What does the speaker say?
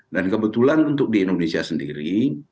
dan kebetulan untuk di indonesia sendiri